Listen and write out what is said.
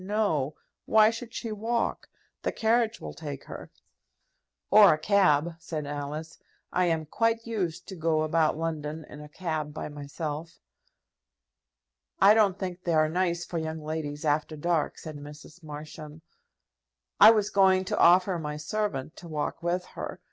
no. Why should she walk? The carriage will take her." "Or a cab," said Alice. "I am quite used to go about London in a cab by myself." "I don't think they are nice for young ladies after dark," said Mrs. Marsham. "I was going to offer my servant to walk with her.